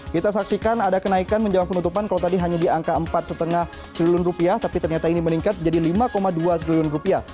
kita saksikan ada kenaikan menjelang penutupan kalau tadi hanya di angka empat lima triliun rupiah tapi ternyata ini meningkat menjadi lima dua triliun rupiah